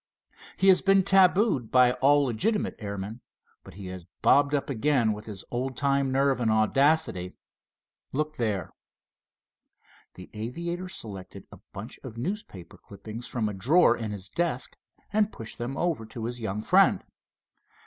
He has been tabooed by all legitimate airmen, but he has bobbed up again with his old time nerve and audacity. Look there." The aviator selected a bunch of newspaper clippings from a drawer in his desk, and pushed them over to his young friend.